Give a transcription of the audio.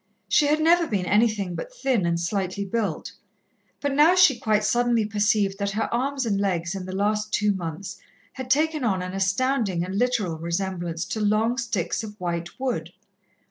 She had never been anything but thin and slightly built, but now she quite suddenly perceived that her arms and legs in the last two months had taken on an astounding and literal resemblance to long sticks of white wood.